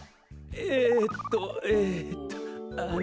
えっとえっとあの。